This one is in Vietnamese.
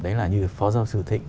đấy là như phó giáo sư thịnh